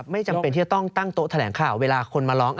ไม่จำเป็นที่จะต้องตั้งโต๊ะแถลงข่าวเวลาคนมาร้อง